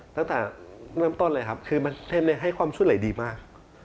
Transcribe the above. ตั้งแต่น้ำต้นเลยครับคือมันเท่านั้นให้ความช่วยเหลือดีมาก